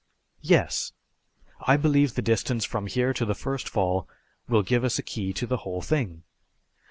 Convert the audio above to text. "Yes. I believe the distance from here to the first fall will give us a key to the whole thing."